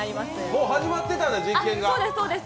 もう始まってたんだ、実験が。